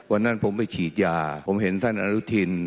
วันนั้นผมไปฉีดยาผมเห็นท่านอนุทิน